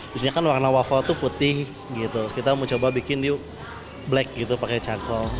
biasanya kan warna waffle itu putih gitu kita mau coba bikin yuk black gitu pakai cangkol